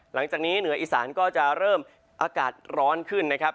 หลังจากนี้เหนืออีสานก็จะเริ่มอากาศร้อนขึ้นนะครับ